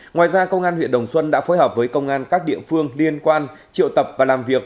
ngoài ra công an huyện đồng xuân đã phối hợp với công an các địa phương liên quan triệu tập và làm việc